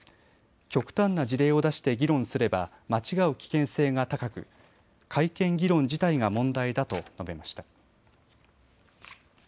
極端な事例を出して議論すれば間違う危険性が高く改憲議論自体が問題だと述べました。